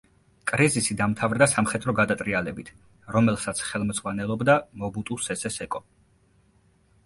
კრიზისი დამთავრდა სამხედრო გადატრიალებით, რომელსაც ხელმძღვანელობდა მობუტუ სესე სეკო.